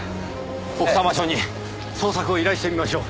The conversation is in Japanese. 奥多摩署に捜索を依頼してみましょう。